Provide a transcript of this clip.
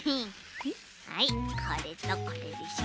はいこれとこれでしょ。